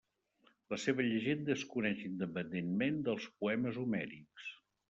La seva llegenda es coneix independentment dels poemes homèrics.